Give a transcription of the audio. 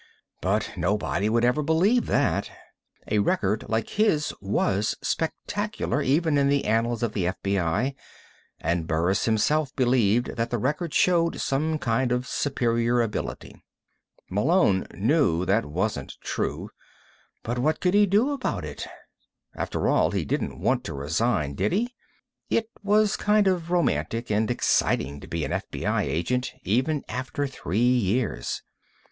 But nobody would ever believe that. A record like his was spectacular, even in the annals of the FBI, and Burris himself believed that the record showed some kind of superior ability. Malone knew that wasn't true, but what could he do about it? After all, he didn't want to resign, did he? It was kind of romantic and exciting to be an FBI agent, even after three years.